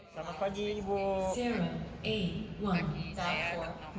selamat pagi ibu